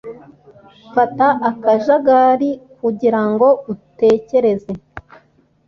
fata akajagari kugirango utekereze